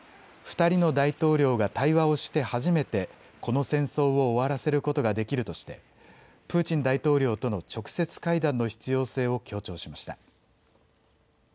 ２人の大統領が対話をして初めてこの戦争を終わらせることができるとしてプーチン大統領との直接会談の必要性を強調しました。